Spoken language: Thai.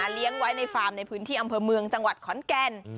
เลี้ยงไว้ในฟาร์มในพื้นที่อำเภอเมืองจังหวัดขอนแก่น